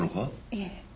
いえ。